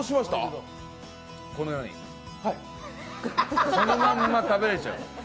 このようにそのまんま食べれちゃう。